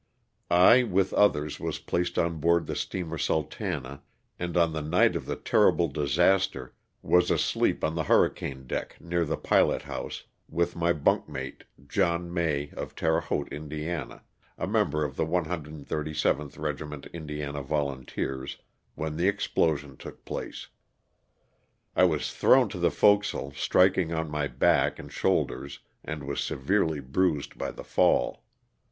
I, with others, was placed on board the steamer "Sultana," and on the night of the terrible disaster was asleep on the hurricane deck, near the pilot house, with my bunk mate, John May, of Terre Haute, Ind., a member of the 137th Regiment Indiana Volunteers, when the explosion took place. I was thrown to the forecastle, striking on my back and shoulders and was severely bruised by the fall.